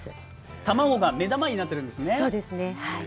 卵が目玉になってるんですね。